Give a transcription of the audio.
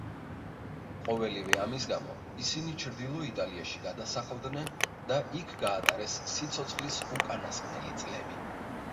ყოველივე ამის გამო ისინი ჩრდილო იტალიაში გადასახლდნენ და იქ გაატარეს სიცოცხლის უკანასკნელი წლები.